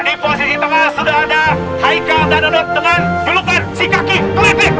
di posisi tengah sudah ada haika dan anut dengan julukan cikaki kulitik